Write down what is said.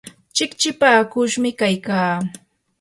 chikchipakushmi kaykaa.